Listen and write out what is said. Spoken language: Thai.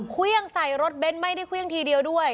เครื่องใส่รถเบ้นไม่ได้เครื่องทีเดียวด้วย